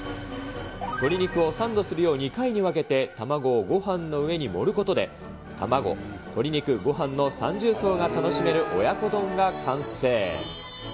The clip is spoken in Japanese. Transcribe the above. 鶏肉をサンドするように２回に分けて卵をごはんの上に盛ることで、卵、鶏肉、ごはんの三重奏が楽しめる親子丼が完成。